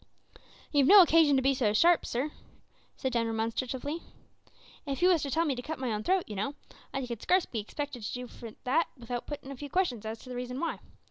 "You've no occasion to be so sharp, sir," said John, remonstratively. "If you wos to tell me to cut my own throat, you know, I could scarce be expected for to do it without puttin' a few questions as to the reason why.